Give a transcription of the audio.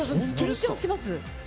緊張します。